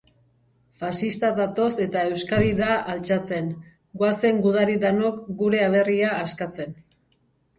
Faxistak datoz eta Euskadi da altxatzen. goazen gudari danok gure aberria askatzen.